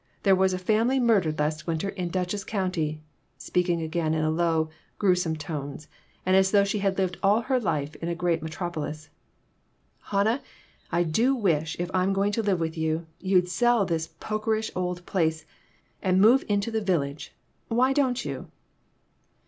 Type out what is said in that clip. There was a fam ily murdered last winter, in Dutchess County," speaking again in low, grewsome tones, and as though she had lived all her life in a great me tropolis. " Hannah, I do wish, if I'm going to live with you, you'd sell this pokerish old place and move into the village. Why don't you?"